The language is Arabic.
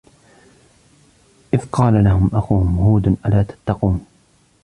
إِذْ قَالَ لَهُمْ أَخُوهُمْ هُودٌ أَلَا تَتَّقُونَ